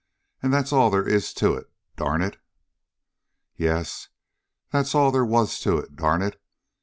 And that's all there is to it, darn it!" Yes, that's all there was to it, darn it!